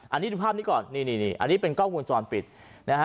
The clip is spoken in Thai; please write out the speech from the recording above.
อันนี้ดูภาพนี้ก่อนนี่นี่อันนี้เป็นกล้องวงจรปิดนะฮะ